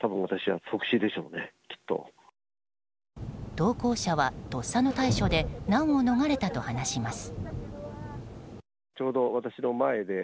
投稿者はとっさの対処で難を逃れたと話します。